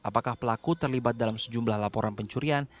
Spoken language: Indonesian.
apakah pelaku terlibat dalam sejumlah laporan pencurian